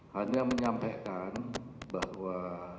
hanya menyampaikan bahwa